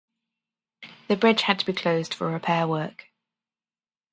The bridge had to be closed for repair work.